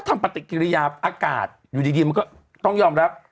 ทำปฏิกิริยาอากาศอยู่ดีมันก็ต้องยอมรับ